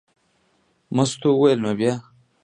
مستو وویل: نو بیا.